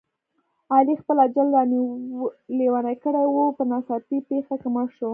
علي خپل اجل را لېونی کړی و، په ناڅاپي پېښه کې مړ شو.